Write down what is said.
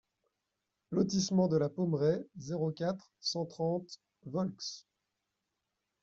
Lotissement de la Pommeraie, zéro quatre, cent trente Volx